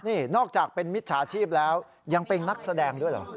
นี่นอกจากเป็นมิจฉาชีพแล้วยังเป็นนักแสดงด้วยเหรอ